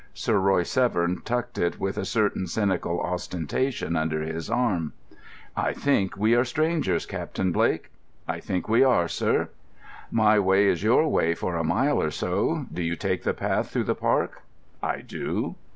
Sir Royce Severn tucked it with a certain cynical ostentation under his arm. "I think we are strangers, Captain Blake." "I think we are, sir." "My way is your way for a mile or so. Do you take the path through the park?" "I do."